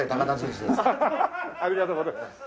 ありがとうございます。